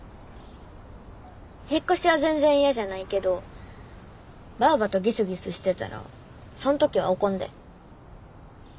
引っ越しは全然嫌じゃないけどばあばとギスギスしてたらそん時は怒んで。